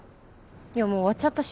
いやもう割っちゃったし。